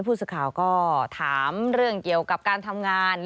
ผู้สื่อข่าวก็ถามเรื่องเกี่ยวกับการทำงาน